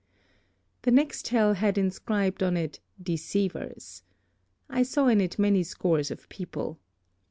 "The next hell had inscribed on it, 'Deceivers.' I saw in it many scores of people.